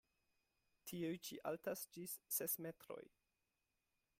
Tiuj ĉi altas ĝis ses metroj.